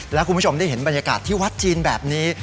แล้วคุณผู้ชมได้เห็นบรรยากาศที่วัดจีนแบบนี้